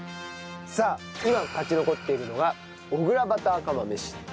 さあ今勝ち残っているのが小倉バター釜飯。